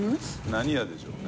何屋でしょうね？